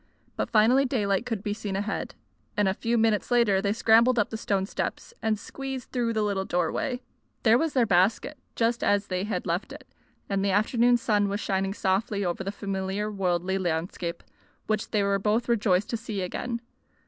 But finally daylight could be seen ahead, and a few minutes later they scrambled up the stone steps and squeezed through the little doorway. There was their basket, just as they had left it, and the afternoon sun was shining softly over the familiar worldly landscape, which they were both rejoiced to see again.